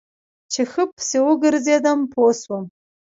چې ښه پسې وګرځېدم پوه سوم.